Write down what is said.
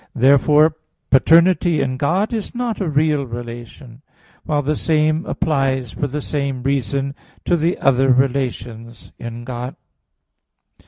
Therefore paternity in God is not a real relation; while the same applies for the same reason to the other relations in God.